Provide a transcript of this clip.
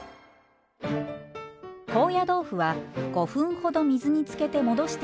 高野豆腐は５分ほど水につけて戻した